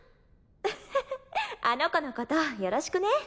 フフッあの子のことよろしくね。